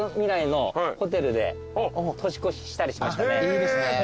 いいですね。